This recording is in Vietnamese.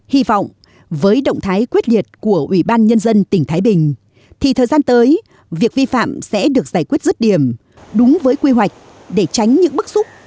hy vọng với động thái quyết liệt của ủy ban nhân dân tỉnh thái bình thì thời gian tới việc vi phạm sẽ được giải quyết rứt điểm đúng với quy hoạch để tránh những bức xúc